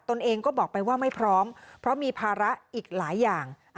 เองก็บอกไปว่าไม่พร้อมเพราะมีภาระอีกหลายอย่าง